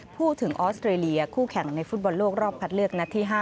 พูดถึงออสเตรเลียคู่แข่งในฟุตบอลโลกรอบคัดเลือกนัดที่๕